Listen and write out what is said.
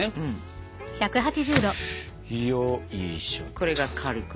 これが「軽く」。